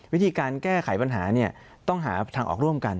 วิธีการแก้ไขปัญหาต้องหาทางออกร่วมกัน